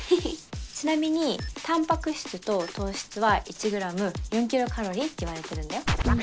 ちなみにたんぱく質と糖質は１グラム４ｋｃａｌっていわれてるんだよ